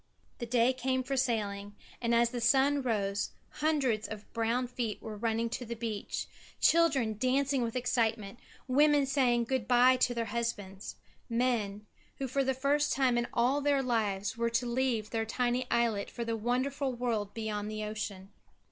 The day came for sailing, and as the sun rose, hundreds of brown feet were running to the beach, children dancing with excitement, women saying "Goodbye" to their husbands men, who for the first time in all their lives were to leave their tiny islet for the wonderful world beyond the ocean.